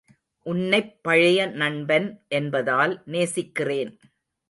உன்னைப்பழைய நண்பன் என்பதால் நேசிக்கிறேன்.